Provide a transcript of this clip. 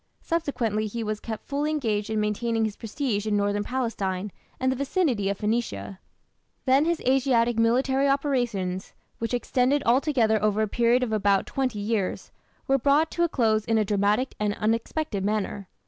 Subsequently he was kept fully engaged in maintaining his prestige in northern Palestine and the vicinity of Phoenicia. Then his Asiatic military operations, which extended altogether over a period of about twenty years, were brought to a close in a dramatic and unexpected manner.